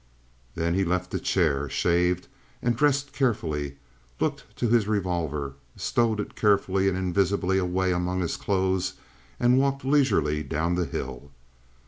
Then he left the chair, shaved, and dressed carefully, looked to his revolver, stowed it carefully and invisibly away among his clothes, and walked leisurely down the hill.